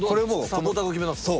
サポーターが決めたんですか？